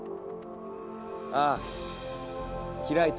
ああ開いた。